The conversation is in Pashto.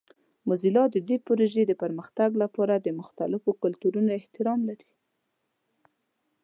موزیلا د دې پروژې د پرمختګ لپاره د مختلفو کلتورونو احترام لري.